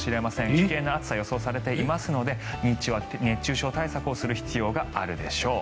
危険な暑さが予想されていますので日中は熱中症対策をする必要があるでしょう。